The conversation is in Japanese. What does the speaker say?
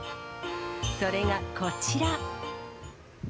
それがこちら。